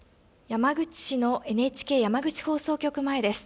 山口市のＮＨＫ山口放送局前です。